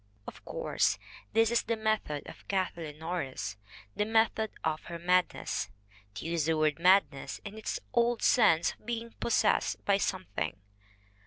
Of course, this is the method of Kathleen Norris, the method in her madness, to use the word madness in its old sense of being possessed by something.